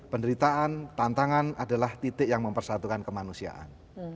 penderitaan tantangan adalah titik yang mempersatukan kemanusiaan